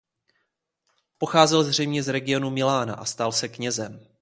Pocházel zřejmě z regionu Milána a stal se knězem.